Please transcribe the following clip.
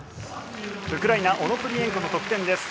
ウクライナオノプリエンコの得点です。